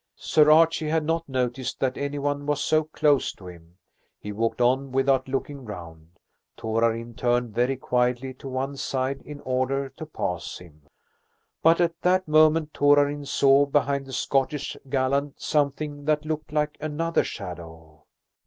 Sir Archie had not noticed that any one was so close to him. He walked on without looking round. Torarin turned very quietly to one side in order to pass him. But at that moment Torarin saw behind the Scottish gallant something that looked like another shadow.